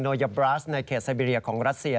โนยาบราชในเขตเซบีเรียของรัสเซีย